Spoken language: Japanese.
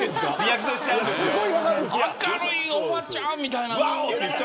明るいおばちゃんみたいな。